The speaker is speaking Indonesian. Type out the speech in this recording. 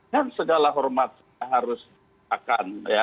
kan segala hormat harus diberikan ya